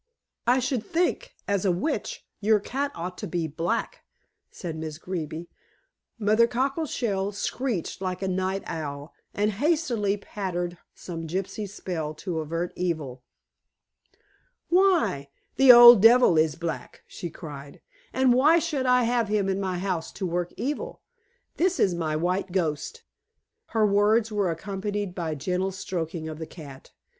"I should think, as a witch, your cat ought to be black," said Miss Greeby. Mother Cockleshell screeched like a night owl and hastily pattered some gypsy spell to avert evil. "Why, the old devil is black," she cried. "And why should I have him in my house to work evil? This is my white ghost." Her words were accompanied by a gentle stroking of the cat.